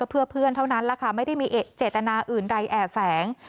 เพื่อเพื่อนเท่านั้นแหละค่ะไม่ได้มีเจตนาอื่นใดแอบแฝง